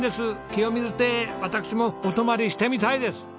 きよみず邸私もお泊まりしてみたいです！